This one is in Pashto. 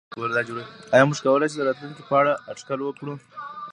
آیا موږ کولای شو د راتلونکي په اړه اټکل وکړو؟